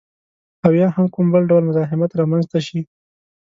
او یا هم کوم بل ډول مزاحمت رامنځته شي